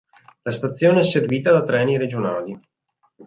La stazione è servita da treni regionali.